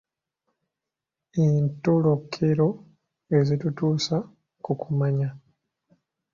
Entolokero ezitutuusa ku kumanya